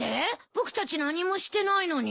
僕たち何もしてないのに。